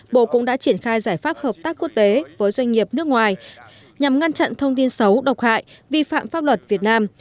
bộ cũng đã triển khai giải pháp hợp tác quốc tế với doanh nghiệp nước ngoài nhằm ngăn chặn thông tin xấu độc hại vi phạm pháp luật việt nam